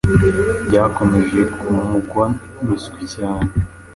byakomeje kumugwa miswi cyane